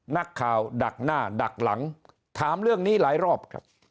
นักข่าวดักหน้าดักหลังถามเรื่องนี้หลายรอบครับ